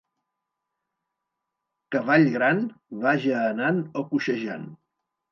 Cavall gran, vaja anant o coixejant.